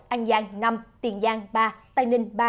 an giang năm tiền giang ba tây ninh ba